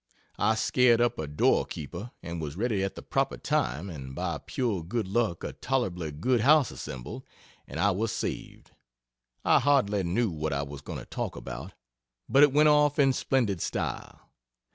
I scared up a door keeper, and was ready at the proper time, and by pure good luck a tolerably good house assembled and I was saved! I hardly knew what I was going to talk about, but it went off in splendid style.